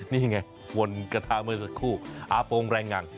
นี่ไงวนกระทะเมื่อสักครู่อาโปรงแรงงัง